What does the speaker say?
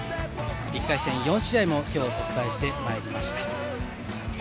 １回戦４試合をお伝えしてまいりました。